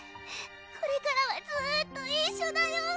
これからはずーっと一緒だよ